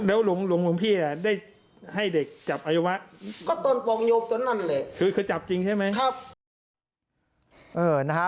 เออนะคะ